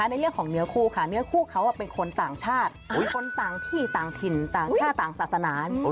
ในเรื่องของเนื้อคู่ค่ะเนื้อคู่เขาเป็นคนต่างชาติเป็นคนต่างที่ต่างถิ่นต่างชาติต่างศาสนา